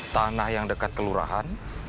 tanah yang dekat ke lurahan